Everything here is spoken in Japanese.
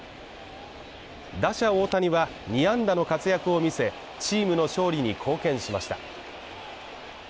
打者・大谷は２安打の活躍を見せ、チームの勝利に貢献しました。